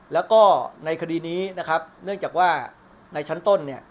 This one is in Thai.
แล้วก็ในคดีนี้นะครับเนื่องจากว่าในชั้นต้นเนี่ย